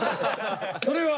それは。